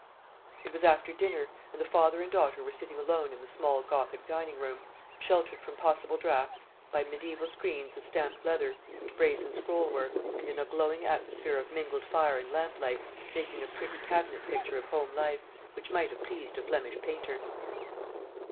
It was after dinner, and the father and daughter were sitting alone in the small gothic dining room, sheltered from possible draughts by mediaeval screens of stamped leather and brazen scroll work, and in a glowing atmosphere of mingled fire and lamp light, making a pretty cabinet picture of home life, which might have pleased a Flemish painter.